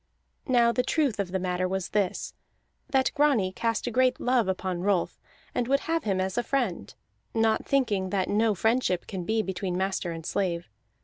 Now the truth of the matter was this, that Grani cast a great love upon Rolf, and would have him as a friend, not thinking that no friendship can be between master and slave.